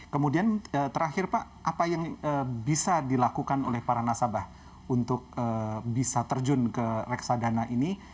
kemudian terakhir pak apa yang bisa dilakukan oleh para nasabah untuk bisa terjun ke reksadana ini